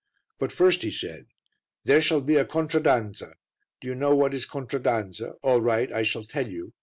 "But first," he said, "there shall be a contraddanza; did you know what is contraddanza? All right, I shall tell you.